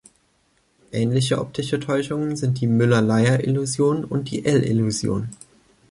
Ähnliche optische Täuschungen sind die Müller-Lyer-Illusion und die L-Illusion.